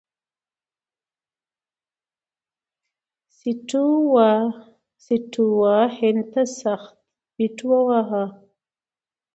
سټیو وا هند ته سخت بیټ وواهه.